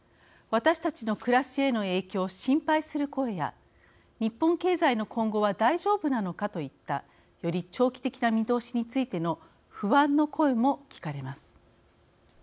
私たちの暮らしへの影響を心配する声や日本経済の今後は大丈夫なのかといったより長期的な見通しについての不安の声も聞かれます。